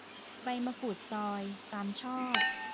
ใบมะกรูดซอย ตามชอบ